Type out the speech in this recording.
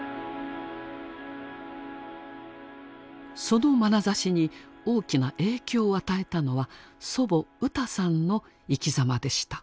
そのまなざしに大きな影響を与えたのは祖母ウタさんの生きざまでした。